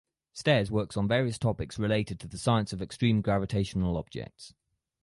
Stairs works on various topics related to the science of extreme gravitational objects.